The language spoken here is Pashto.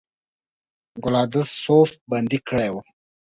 ګلادسوف بندي کړی وو.